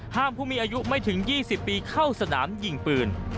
ผู้มีอายุไม่ถึง๒๐ปีเข้าสนามยิงปืน